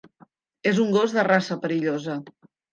Es un gos de raça perillosa.